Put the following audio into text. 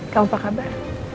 kau apa kabar